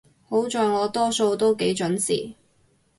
好在我多數都幾準時